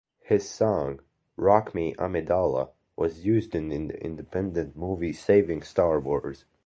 His song "Rock Me Amidala" was used in the independent movie "Saving Star Wars".